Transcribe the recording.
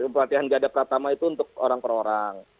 pelatihan gada pertama itu untuk orang per orang